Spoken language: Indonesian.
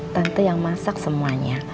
tante yang masak semuanya